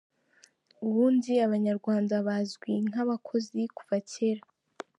Ubundi, abanyarwanda bazwi nk’abakozi kuva cyera.